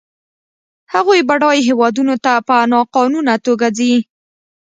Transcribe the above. هغوی بډایو هېوادونو ته په ناقانونه توګه ځي.